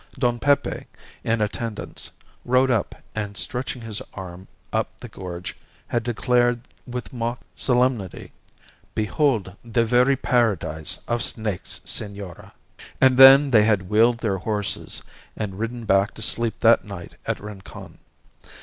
Don Pepe, in attendance, rode up, and, stretching his arm up the gorge, had declared with mock solemnity, "Behold the very paradise of snakes, senora." And then they had wheeled their horses and ridden back to sleep that night at Rincon.